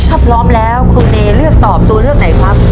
ถ้าพร้อมแล้วคุณเนเลือกตอบตัวเลือกไหนครับ